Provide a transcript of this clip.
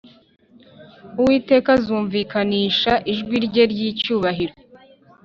Uwiteka azumvikanisha ijwi rye ry icyubahiro